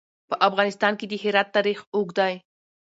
په افغانستان کې د هرات تاریخ اوږد دی.